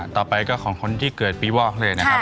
ต่อไปก็ของคนที่เกิดปีวอกเลยนะครับ